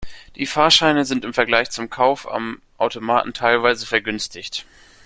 Die Fahrscheine sind im Vergleich zum Kauf am Automaten teilweise vergünstigt.